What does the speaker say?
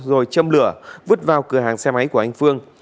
rồi châm lửa vứt vào cửa hàng xe máy của anh phương